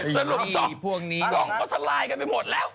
สรุปส่องเขาทลายกันไปหมดแล้ว